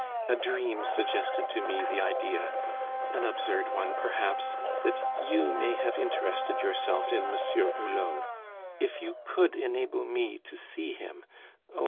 "A dream suggested to me the idea an absurd one perhaps that you may have interested yourself in Monsieur Hulot. If you could enable me to see him oh!